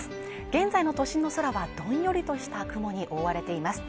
現在の都心の空はどんよりとした雲に覆われています